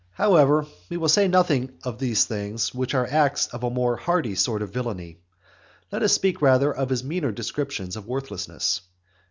However, we will say nothing of these things, which are acts of a more hardy sort of villany. Let us speak rather of his meaner descriptions of worthlessness.